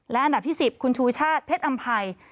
และอันดับที่๑๐คุณชูชาติเพชรอำภัย